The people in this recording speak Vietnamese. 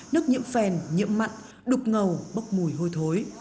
nước nhiễm phèn nhiễm mặn đục ngầu bốc mùi hôi thối